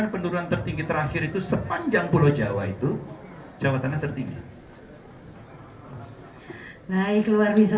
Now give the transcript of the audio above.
penduruan tertinggi terakhir itu sepanjang pulau jawa itu jawabannya tertinggi hai naik luar bisa